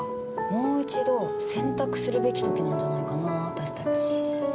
もう一度選択するべき時なんじゃないかな私たち。